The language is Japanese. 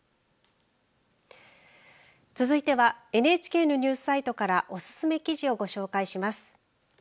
続いてはＮＨＫのニュースサイトからおすすめ記事をご紹介します。